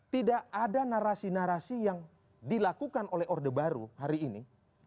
tidak ada narasi narasi yang dilakukan oleh orde baru hari ini